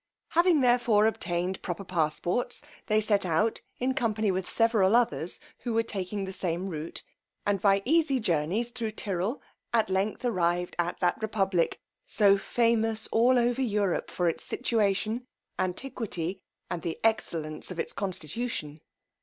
Having therefore obtained proper passports, they set out in company with several others who were taking the same rout, and by easy journeys thro' Tyrol, at length arrived at that republic, so famous over all Europe for its situation, antiquity, and the excellence of its constitution.